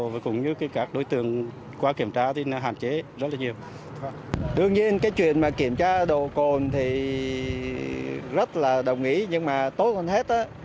và chưa kể đến nếu chúng ta chữa không tốt